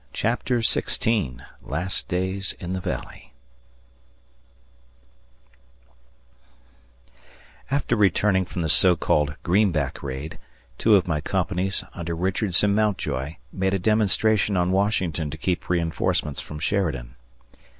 CHAPTER XVI LAST DAYS IN THE VALLEY AFTER returning from the so called "Greenback Raid", two of my companies, under Richards and Mountjoy, made a demonstration on Washington to keep reinforcements from Sheridan.